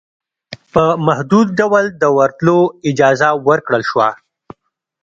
په محدود ډول دورتلو اجازه ورکړل شوه